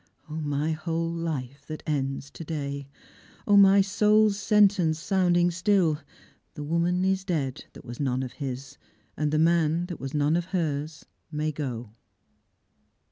0, my whole life that ends to day ! 0, my soul's sentence, sounding still ;' The woman is dead, that was none of his ; And the man, that was none of hers, may go